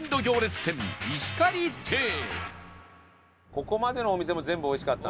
ここまでのお店も全部おいしかった。